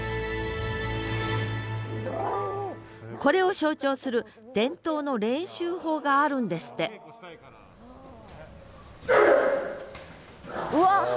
これを象徴する伝統の練習法があるんですってうわっ。